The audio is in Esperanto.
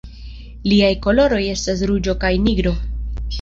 Liaj koloroj estas ruĝo kaj nigro.